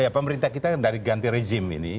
pemerintah kita dari ganti rezim ini